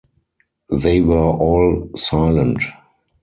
They were all silent.